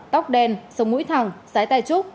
tóc đen sông mũi thẳng sái tay trúc